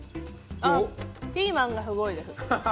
あっ、ピーマンがすごいです。